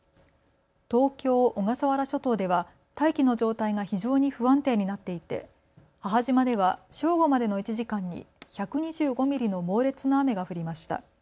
東京小笠原諸島では大気の状態が非常に不安定になっていて母島では正午までの１時間に１２５ミリの猛烈な雨が降りました。